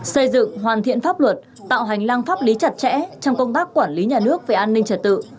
xây dựng hoàn thiện pháp luật tạo hành lang pháp lý chặt chẽ trong công tác quản lý nhà nước về an ninh trật tự